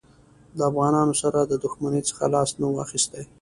له افغانانو سره د دښمنۍ څخه لاس نه وو اخیستی.